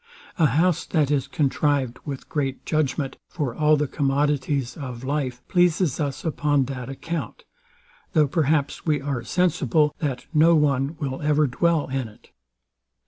A house, that is contrived with great judgment for all the commodities of life, pleases us upon that account; though perhaps we are sensible, that no one will ever dwell in it.